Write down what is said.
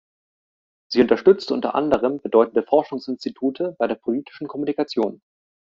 Sie unterstützt unter anderem bedeutende Forschungsinstitute bei der politischen Kommunikation.